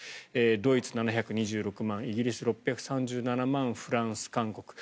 ドイツ、７２６万円イギリス６３７万フランス、韓国。